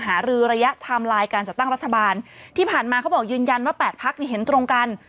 หรือระยะไทม์ไลน์การจัดสรรรถบันที่ผ่านมาเขาบอกยืนยันว่า๘พักเห็นตรงกัน